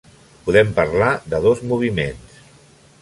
Podem parlar de dos moviments.